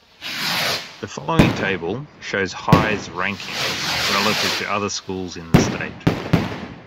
The following table shows High's rankings relative to other schools in the state.